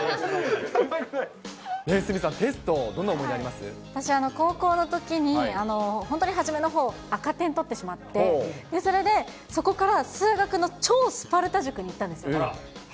鷲見さん、テスト、どんな思私、高校のときに、本当に初めのほう、赤点取ってしまって、それで、そこから数学の超スパルタ塾に行ったんですよ。